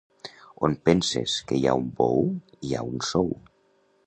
On penses que hi ha un bou hi ha un sou.